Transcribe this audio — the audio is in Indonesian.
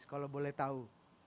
kalau boleh tahu